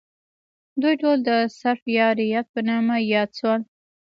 دوی ټول د سرف یا رعیت په نامه یاد شول.